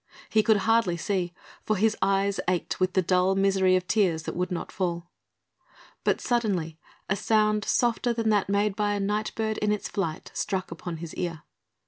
He could hardly see, for his eyes ached with the dull misery of tears that would not fall; but suddenly a sound softer than that made by a night bird in its flight struck upon his ear.